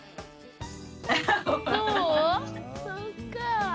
そっか。